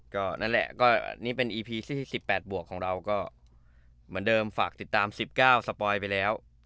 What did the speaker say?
ก็นั่นแหละก็นี่เป็นอีพีที่๑๘บวกของเราก็เหมือนเดิมฝากติดตาม๑๙สปอยไปแล้ว